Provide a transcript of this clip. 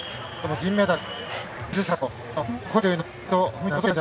銀メダル。